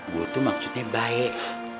gua tuh maksudnya baik